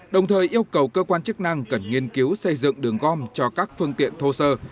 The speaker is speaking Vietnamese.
đồng thời yêu cầu cơ quan chức năng cần nghiên cứu xây dựng đường gom cho các phương tiện thô sơ